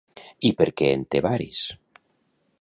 I per què en té varis?